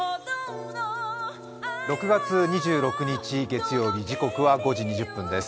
６月２６日月曜日、時刻は５時２０分です。